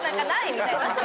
みたいな。